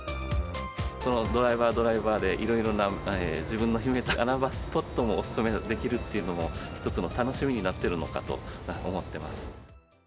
そのドライバー、ドライバーでいろいろな自分の秘めた穴場スポットをお勧めできるっていうのも、一つの楽しみになっているのかと思っています。